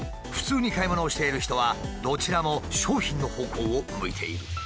普通に買い物をしている人はどちらも商品の方向を向いている。